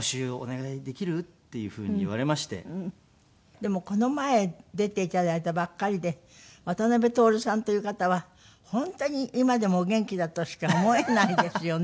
でもこの前出て頂いたばっかりで渡辺徹さんという方は本当に今でもお元気だとしか思えないですよね。